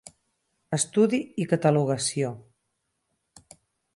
Estudi i catalogació.